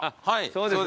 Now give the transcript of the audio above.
そうです。